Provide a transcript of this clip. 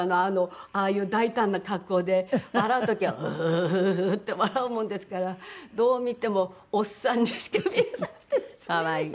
ああいう大胆な格好で笑う時は「ウフフフ」って笑うもんですからどう見てもおっさんにしか見えなくてですね。